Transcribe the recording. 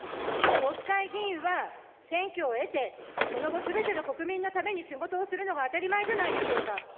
国会議員は選挙を経て、その後すべての国民のために仕事をするのが当たり前じゃないでしょうか。